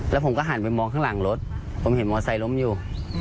แล้วผมก็หันไปมองข้างหลังรถผมเห็นมอไซค์ล้มอยู่